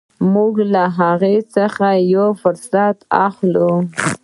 موږ له هغه څخه یو فرصت اخلو.